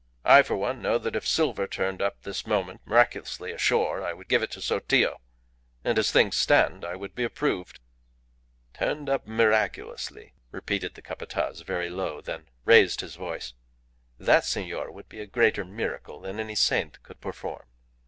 I for one know that if that silver turned up this moment miraculously ashore I would give it to Sotillo. And, as things stand, I would be approved." "Turned up miraculously," repeated the Capataz very low; then raised his voice. "That, senor, would be a greater miracle than any saint could perform."